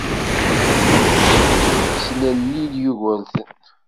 Slelli-d Yugurten.